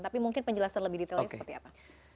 tapi mungkin penjelasan lebih detailnya seperti apa